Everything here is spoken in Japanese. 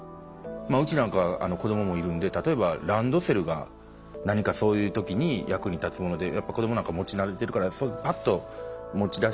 うちなんか子供もいるので例えばランドセルが何かそういう時に役に立つもので子供なんか持ち慣れてるからパッと持ち出して。